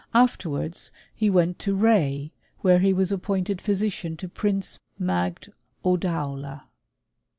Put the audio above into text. Afterwards he went to Ray, where he was appointed physician to Prince Magd Oddaula.